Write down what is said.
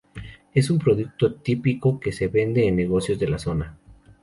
Es un producto típico que se vende en negocios de la zona.